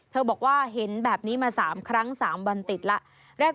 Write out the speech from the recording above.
บอกว่าเห็นแบบนี้มา๓ครั้ง๓วันติดแล้ว